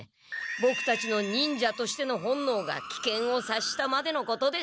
ボクたちの忍者としての本のうがきけんをさっしたまでのことです。